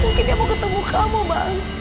mungkin dia mau ketemu kamu bang